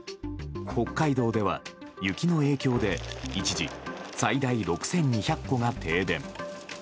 北海道では雪の影響で一時最大６２００戸が停電。